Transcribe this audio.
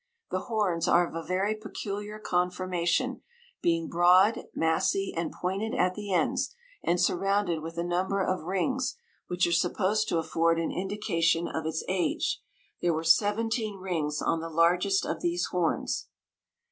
The horns are of a very peculiar conformation, being broad, massy, and pointed at the ends, and surrounded with a number of rings, which are supposed to afford an indication of its age : there were seventeen rings on the largest of these horns.